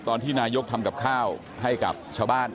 ตอนที่นายกทำกับข้าวให้กับชาวบ้าน